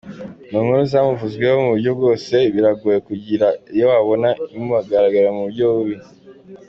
Mu nkuru zamuvuzweho mu buryo bwose, biragoye kugira iyo wabona imugaragaza mu buryo bubi.